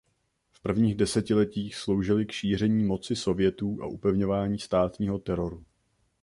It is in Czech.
V prvních desetiletích sloužily k šíření moci sovětů a upevňování státního teroru.